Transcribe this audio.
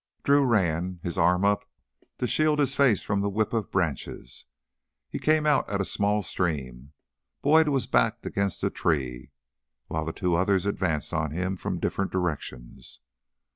Drew ran, his arm up to shield his face from the whip of branches. He came out at a small stream. Boyd was backed against a tree while the two others advanced on him from different directions.